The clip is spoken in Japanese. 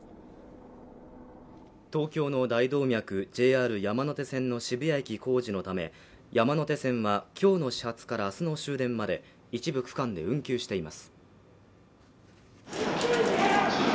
東京の大動脈ＪＲ山手線の渋谷駅工事のため山手線はきょうの始発から明日の終電まで一部区間で運休しています